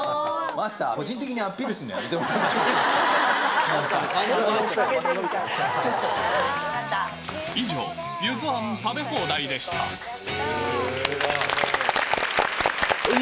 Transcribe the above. マスター、個人的にアピールするのやめてもらっていいですか。